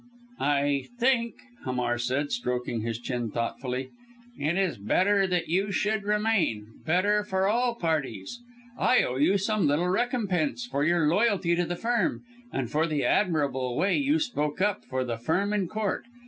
"I think," Hamar said, stroking his chin thoughtfully, "it is better that you should remain better for all parties. I owe you some little recompense for your loyalty to the Firm, and for the admirable way you spoke up for the Firm in Court.